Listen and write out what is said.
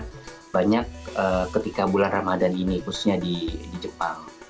jadi banyak ketika bulan ramadhan ini khususnya di jepang